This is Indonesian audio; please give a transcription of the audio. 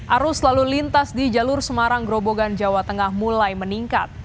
arus lalu lintas di jalur semarang grobogan jawa tengah mulai meningkat